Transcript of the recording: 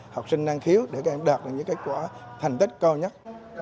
học sinh năng khiếu để các em đạt được những kết quả thành tích cao nhất